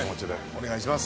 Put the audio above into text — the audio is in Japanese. お願いします。